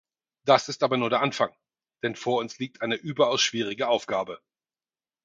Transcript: Das ist aber nur der Anfang, denn vor uns liegt eine überaus schwierige Aufgabe.